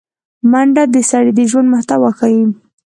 منډه د سړي د ژوند محتوا ښيي